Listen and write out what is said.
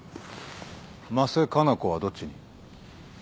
真瀬加奈子はどっちに？